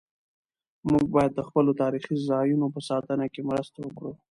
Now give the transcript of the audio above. موږ باید د خپلو تاریخي ځایونو په ساتنه کې مرسته وکړو.